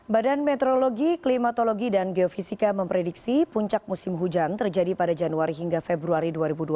badan meteorologi klimatologi dan geofisika memprediksi puncak musim hujan terjadi pada januari hingga februari dua ribu dua puluh